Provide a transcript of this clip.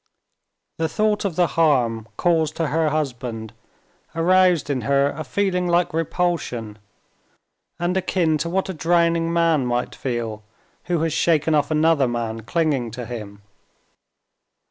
The thought of the harm caused to her husband aroused in her a feeling like repulsion, and akin to what a drowning man might feel who has shaken off another man clinging to him.